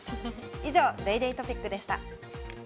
以上、ＤａｙＤａｙ．トピックでした。